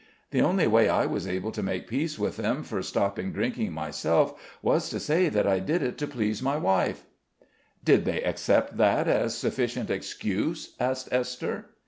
The only way I was able to make peace with them for stopping drinking myself, was to say that I did it to please my wife." "Did they accept that as sufficient excuse?" asked Esther.